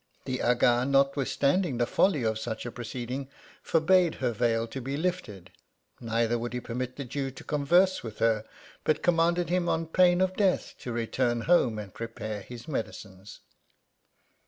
The Aga, notwithstanding tiie folly of such a proceeding, forbade her veil to be lifted ; neither would he permit the Jew to converse with her, but commanded him on pain of death to return home and prepare his medicines.